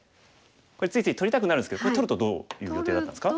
これついつい取りたくなるんですけど取るとどういう予定だったんですか？